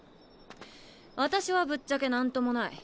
私はぶっちゃけなんともない。